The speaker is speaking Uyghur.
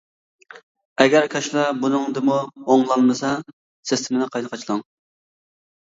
ئەگەر كاشىلا بۇنىڭدىمۇ ئوڭلانمىسا، سىستېمىنى قايتا قاچىلاڭ.